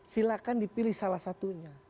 silahkan dipilih salah satunya